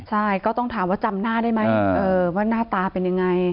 ใช่ก็ต้องถามว่าจำหน้าได้ไหมว่าหน้าตาเป็นยังไง